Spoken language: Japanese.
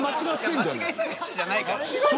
間違い探しじゃないから。